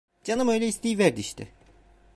Canım öyle isteyiverdi işte!